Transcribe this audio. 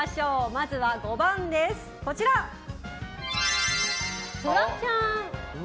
まずは５番、フワちゃん。